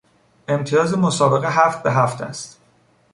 امتیاز مسابقه هفت به هفت است.